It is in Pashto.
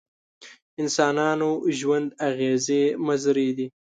انسانانو ژوند اغېزې مضرې دي.